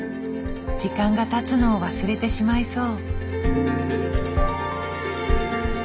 時間がたつのを忘れてしまいそう。